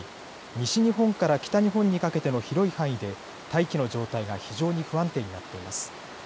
西日本から北日本にかけての広い範囲で大気の状態が非常に不安定になっています。